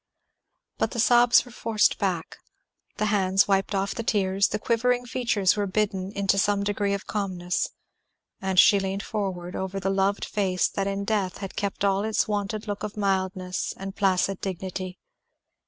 But the sobs were forced back, the hands wiped off the tears, the quivering features were bidden into some degree of calmness; and she leaned forward, over the loved face that in death had kept all its wonted look of mildness and placid dignity.